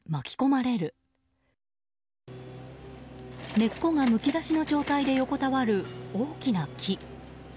根っこがむき出しの状態で横たわる大きな木。